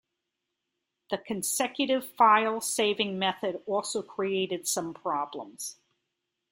The consecutive file saving method also created some problems.